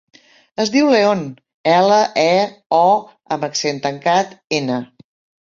Es diu León: ela, e, o amb accent tancat, ena.